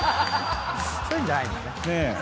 そういうんじゃないんだね。